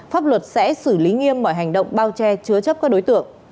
pháp luật sẽ xử lý nghiêm mọi hành động bao che chứa chấp các đối tượng